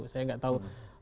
saya tidak tahu